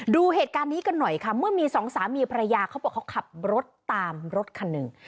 ดูเหตุการณ์นี้กันหน่อยค่ะเมื่อมีสองสามีภรรยาเขาบอกเขาขับรถตามรถคันหนึ่ง